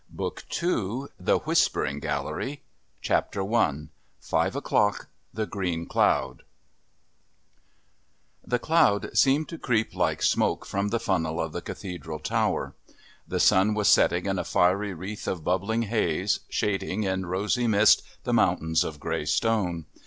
Book II The Whispering Gallery Chapter I Five O'Clock The Green Cloud The cloud seemed to creep like smoke from the funnel of the Cathedral tower. The sun was setting in a fiery wreath of bubbling haze, shading in rosy mist the mountains of grey stone.